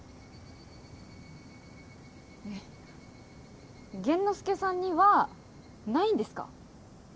いや玄之介さんにはないんですか？